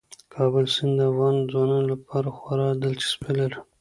د کابل سیند د افغان ځوانانو لپاره خورا دلچسپي لري.